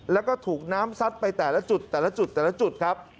แล้วก็ถูกน้ำซัดไปแต่ละจุดแต่ละจุดแต่ละจุดครับ